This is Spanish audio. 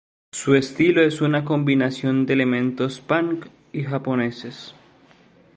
Su estilo es una combinación de elementos punk y japoneses.